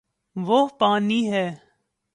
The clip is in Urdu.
وہ پانی ہے